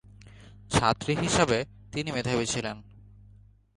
ছাত্রী হিসাবে তিনি মেধাবী ছিলেন।